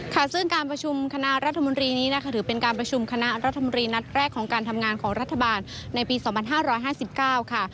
ค่ะซึ่งการประชุมคณะรัฐมนตรีนี้นะคะถือเป็นการประชุมคณะรัฐมนตรีนัดแรกของการทำงานของรัฐบาลในปี๒๕๕๙ค่ะ